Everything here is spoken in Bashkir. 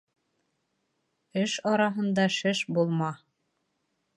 Эш араһында шеш булма.